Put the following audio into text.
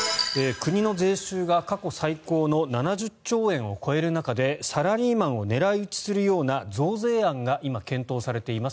国の税収が過去最高の７０兆円を超える中でサラリーマンを狙い撃ちするような増税案が今、検討されています。